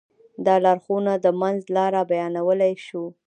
دا لارښوونه د منځ لاره بيانولی شو.